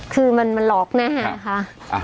คือมันหลอกแน่ค่ะ